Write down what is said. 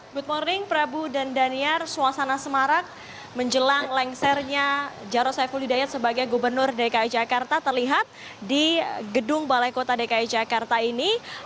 good morning prabu dan daniar suasana semarak menjelang lengsernya jarod saiful hidayat sebagai gubernur dki jakarta terlihat di gedung balai kota dki jakarta ini